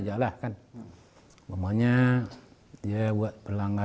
jika pantangan yang sudah ditetapkan ada yang dilanggar